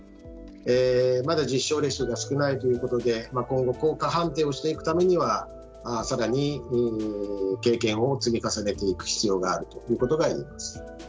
まだ実証例数が少ないということで今後効果判定をしていくためには更に経験を積み重ねていく必要があるということが言えます。